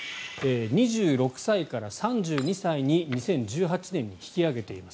２６歳から３２歳に２０１８年に引き上げています。